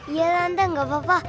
iya tante enggak apa apa